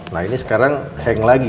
nah ini sekarang hang lagi